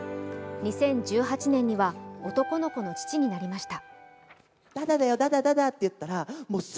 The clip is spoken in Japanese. ２０１８年には男の子の父になりました。